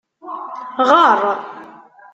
Γeṛ!